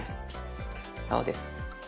そうです。